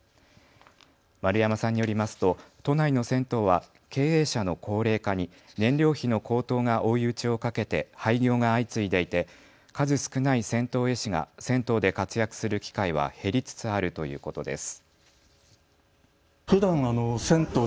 丸山さんによりますと都内の銭湯は経営者の高齢化に燃料費の高騰が追い打ちをかけて廃業が相次いでいて数少ない銭湯絵師が銭湯で活躍する機会は減りつつあるということです。